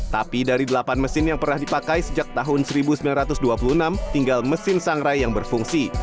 tapi dari delapan mesin yang pernah dipakai sejak tahun seribu sembilan ratus dua puluh enam tinggal mesin sangrai yang berfungsi